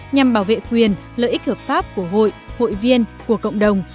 nhằm bảo vệ quyền lợi ích hợp pháp của hội hội viên của cộng đồng